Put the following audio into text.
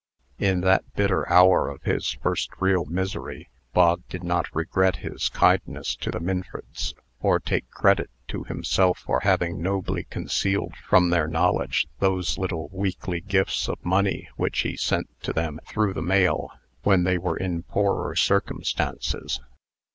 In that bitter hour of his first real misery, Bog did not regret his kindness to the Minfords, or take credit to himself for having nobly concealed from their knowledge those little weekly gifts of money which he sent to them through the mail, when they were in poorer circumstances.